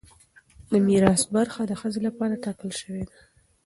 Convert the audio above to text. د میراث برخه د ښځې لپاره ټاکل شوې ده.